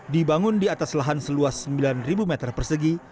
dibangun di atas lahan seluas sembilan meter persegi